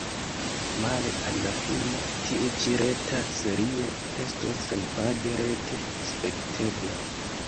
Male al la filmo tiu ĉi reta serio estos senpage rete spektebla.